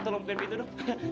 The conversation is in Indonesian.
tolong buka pintu dulu